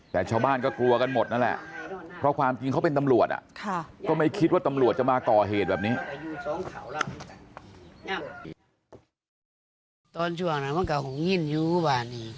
แต่ชาวบ้านก็กลัวกันหมดนั่นแหละเพราะความจริงเขาเป็นตำรวจก็ไม่คิดว่าตำรวจจะมาก่อเหตุแบบนี้